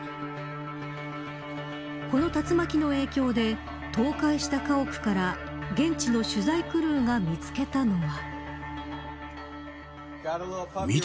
この竜巻の影響で倒壊した家屋から現地の取材クルーが見つけたのは。